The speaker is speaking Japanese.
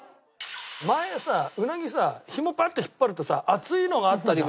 前さうなぎさひもバッと引っ張るとさ熱いのがあったじゃん。